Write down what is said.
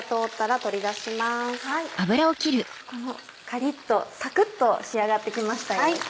カリっとサクっと仕上がって来ましたよ。